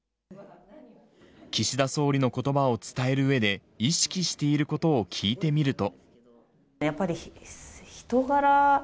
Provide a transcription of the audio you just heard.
岸田総理の言葉を伝える上で意識していることを聞いてみると。